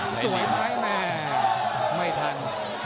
สวยไหมแม่ไม่ทัน